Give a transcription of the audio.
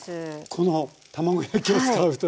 この卵焼きを使うという。